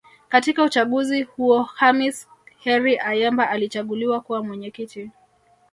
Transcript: Katika uchaguzi huo Khamis Heri Ayemba alichaguliwa kuwa Mwenyekiti